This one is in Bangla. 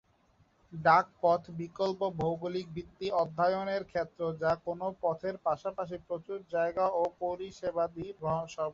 ডাক পথ, বিকল্প ভৌগোলিক ভিত্তি অধ্যয়নের ক্ষেত্র যা কোনও পথের পাশাপাশি প্রচুর জায়গা এবং পরিষেবাদি সরবরাহ করে।